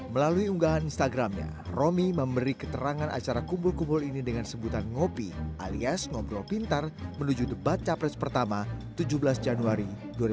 melalui unggahan instagramnya romi memberi keterangan acara kumpul kumpul ini dengan sebutan ngopi alias ngobrol pintar menuju debat capres pertama tujuh belas januari dua ribu dua puluh